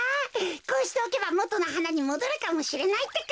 こうしておけばもとのはなにもどるかもしれないってか。